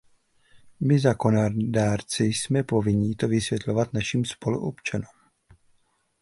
My, zákonodárci, jsme povinni to vysvětlovat našim spoluobčanům.